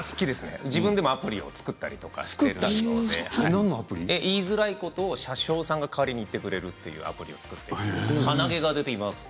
自分でもアプリを作ったり言いづらいことを車掌さんが代わりに言ってくれるアプリを作っていました。